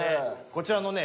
こちらのね